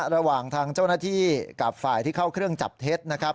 ระหว่างทางเจ้าหน้าที่กับฝ่ายที่เข้าเครื่องจับเท็จนะครับ